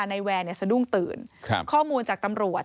ในแวร์เนี่ยสะดุ้งตื่นข้อมูลจากตำรวจ